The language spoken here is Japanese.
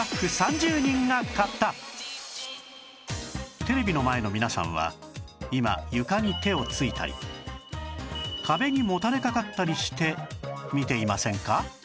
テレビの前の皆さんは今床に手をついたり壁にもたれかかったりして見ていませんか？